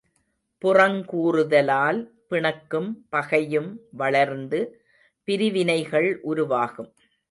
புறங்கூறுதலால் பிணக்கும் பகையும் வளர்ந்து பிரிவினைகள் உருவாகும்.